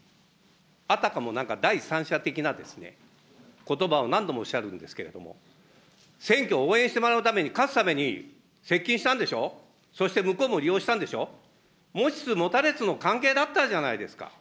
あたかもなんか第三者的なことばを何度もおっしゃるんですけれども、選挙を応援してもらうために、勝つために接近したんでしょ、そして、向こうも利用したんでしょ、持ちつ持たれつの関係だったんじゃないですか。